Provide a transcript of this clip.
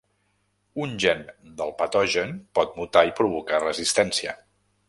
Un gen del patogen pot mutar i provocar resistència.